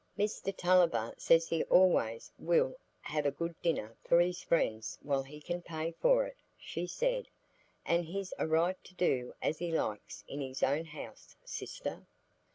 "Mr Tulliver says he always will have a good dinner for his friends while he can pay for it," she said; "and he's a right to do as he likes in his own house, sister."